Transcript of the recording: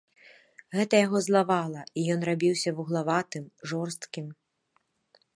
Гэта яго злавала, і ён рабіўся вуглаватым, жорсткім.